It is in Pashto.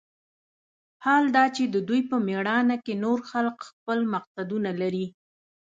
حال دا چې د دوى په مېړانه کښې نور خلق خپل مقصدونه لري.